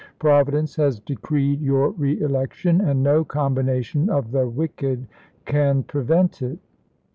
Providence has CLhfooin, to decreed your reelection, and no combination of the mT' ms. wicked can prevent it."